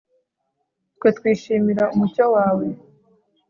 Twe twishimira umucyo wawe